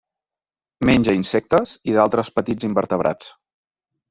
Menja insectes i d'altres petits invertebrats.